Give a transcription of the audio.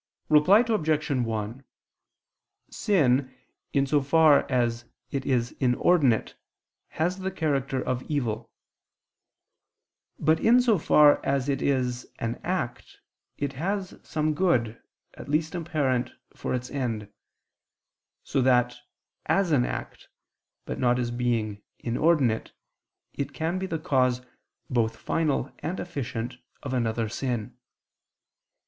Reply Obj. 1: Sin, in so far as it is inordinate, has the character of evil; but, in so far as it is an act, it has some good, at least apparent, for its end: so that, as an act, but not as being inordinate, it can be the cause, both final and efficient, of another sin.